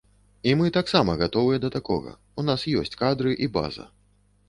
І мы таксама гатовыя да такога, у нас ёсць кадры і база.